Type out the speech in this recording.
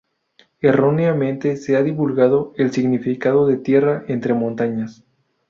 Erróneamente se ha divulgado el significado de tierra entre montañas.